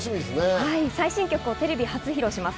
最新曲をテレビ初披露します。